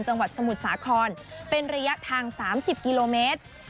จังหวัดสมุทรสาครเป็นระยะทาง๓๐กิโลเมตร